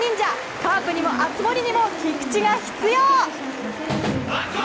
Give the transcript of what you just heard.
カープにも熱盛にも菊池が必要！